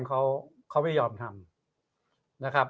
เค้าไม่ยอมทำ